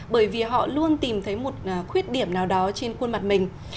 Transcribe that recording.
bởi vì họ luôn tìm thấy một khuyết điểm nào đó trên khuôn mặt mình